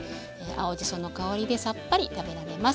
青じその香りでさっぱり食べられます。